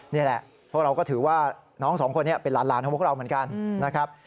นี่แหละพวกเราก็ถือว่าน้องสองคนนี้เป็นหลานของพวกเราเหมือนกันนะครับ